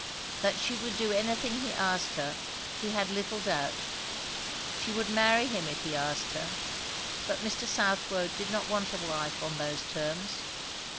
That she would do anything he asked her, he had little doubt; she would marry him if he asked her; but Mr. Southwode did not want a wife on those terms.